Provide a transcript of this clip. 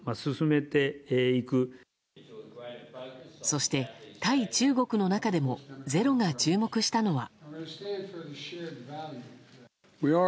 そして、対中国の中でも「ｚｅｒｏ」が注目したのは。